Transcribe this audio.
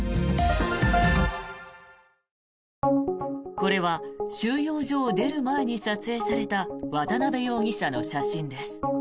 これは収容所を出る前に撮影された渡邉容疑者の写真です。